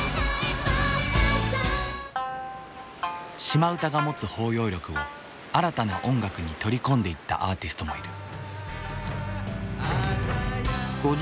島唄が持つ包容力を新たな音楽に取り込んでいったアーティストもいる。